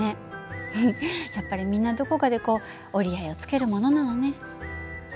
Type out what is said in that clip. やっぱりみんなどこかでこう折り合いをつけるものなのね。